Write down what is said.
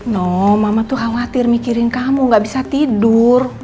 no mama tuh khawatir mikirin kamu gak bisa tidur